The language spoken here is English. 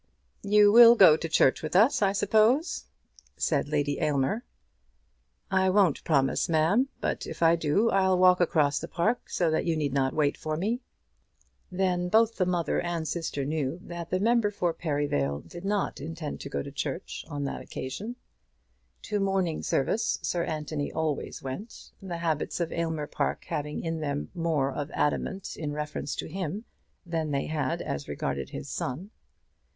"You will go to church with us, I suppose?" said Lady Aylmer. "I won't promise, ma'am; but if I do, I'll walk across the park, so that you need not wait for me." Then both the mother and sister knew that the member for Perivale did not intend to go to church on that occasion. To morning service Sir Anthony always went, the habits of Aylmer Park having in them more of adamant in reference to him than they had as regarded his son.